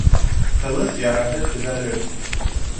Ҡылыс яраһы төҙәлер